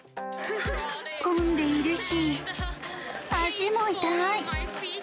混んでいるし、足も痛い。